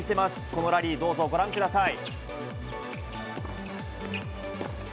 そのラリー、どうぞご覧ください。